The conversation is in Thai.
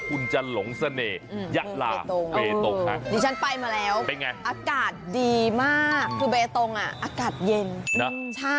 คุณจังหลงเสน่ห์